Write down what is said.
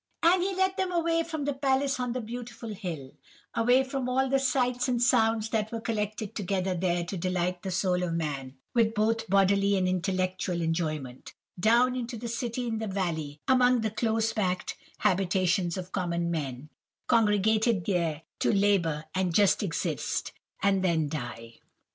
"And he led them away from the palace on the beautiful hill—away from all the sights and sounds that were collected together there to delight the soul of man with both bodily and intellectual enjoyment—down into the city in the valley, among the close packed habitations of common men, congregated there to labour, and just exist, and then die.